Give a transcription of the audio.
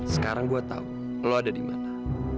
sekarang gue tau lu ada dimana